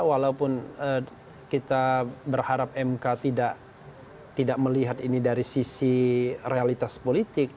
walaupun kita berharap mk tidak melihat ini dari sisi realitas politik